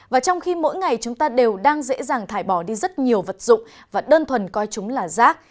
và trong khi mỗi ngày chúng ta đều đang dễ dàng thải bỏ đi rất nhiều vật dụng và đơn thuần coi chúng là rác